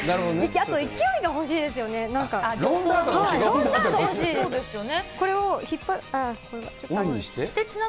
あと勢いが欲しいですよね。